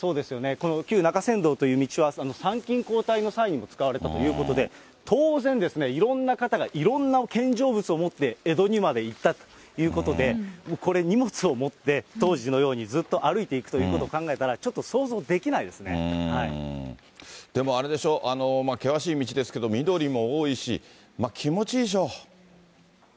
この旧中山道という道は参勤交代の際にも使われたということで、当然ですね、いろんな方がいろんな献上物を持って江戸にまで行ったということで、これ、荷物を持って、当時のようにずっと歩いていくということを考えたら、でも、あれでしょ、険しい道ですけども、緑も多いし、気持ちいいでしょ。